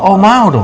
oh mau dong